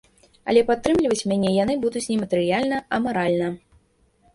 Але падтрымліваць мяне яны будуць не матэрыяльна, а маральна.